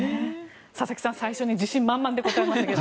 佐々木さん、最初に自信満々で答えましたけど。